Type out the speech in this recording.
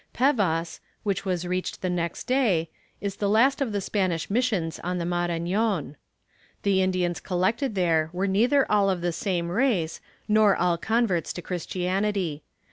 Pevas, which was reached the next day, is the last of the Spanish missions on the Marañon. The Indians collected there were neither all of the same race nor all converts to Christianity.